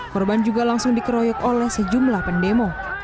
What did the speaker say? korban juga langsung dikeroyok oleh sejumlah pendemo